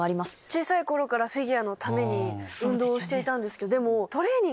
小さい頃からフィギュアのために運動をしていたんですけど。